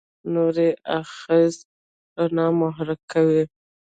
نوري آخذه رڼا محرک کوي.